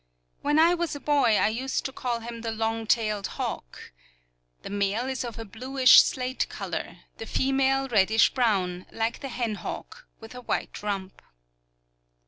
When I was a boy I used to call him the long tailed hawk. The male is of a bluish slate color; the female reddish brown, like the hen hawk, with a white rump.